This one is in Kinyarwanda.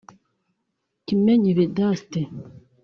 Kimenyi Vedaste